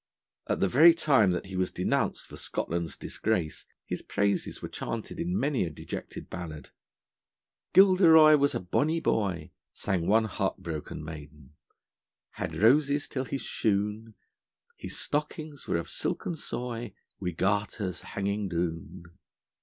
At the very time that he was denounced for Scotland's disgrace, his praises were chanted in many a dejected ballad. 'Gilderoy was a bonny boy,' sang one heart broken maiden: Had roses till his shoon, His stockings were of silken soy, Wi' garters hanging doon.